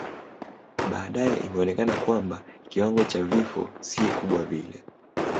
Baadae imeonekana kwamba kiwango cha vifo si kubwa vile